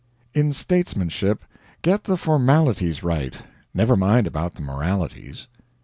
In statesmanship get the formalities right, never mind about the moralities.